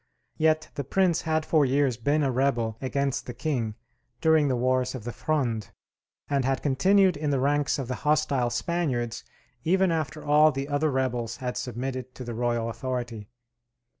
Yet the Prince had for years been a rebel against the King during the wars of the Fronde, and had continued in the ranks of the hostile Spaniards even after all the other rebels had submitted to the royal authority.